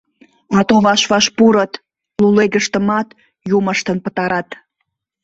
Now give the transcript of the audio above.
— Ато ваш-ваш пурыт, лулегыштымат юмыштын пытарат.